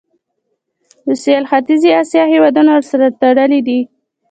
د سویل ختیځې اسیا هیوادونه ورسره تړلي دي.